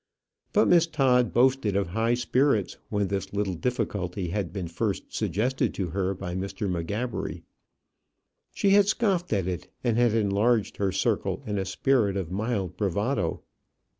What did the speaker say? But Miss Todd boasted of high spirits: when this little difficulty had been first suggested to her by Mr. M'Gabbery, she had scoffed at it, and had enlarged her circle in a spirit of mild bravado.